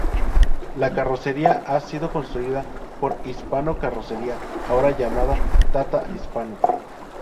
La carrocería ha sido construida por Hispano Carrocería, ahora llamada Tata Hispano.